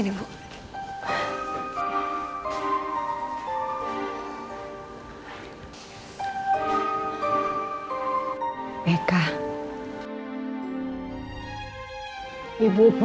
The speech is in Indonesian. ragu dengan pertunangan kamu sama